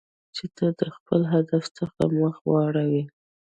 چې ته د خپل هدف څخه مخ واړوی.